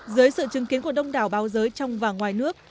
dưới sự chứng kiến của đông đảo báo giới trong và ngoài nước